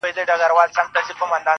• تالنده برېښنا يې خــوښـــــه ســوېده.